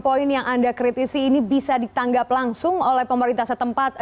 poin yang anda kritisi ini bisa ditanggap langsung oleh pemerintah setempat